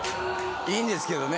いいんですけどね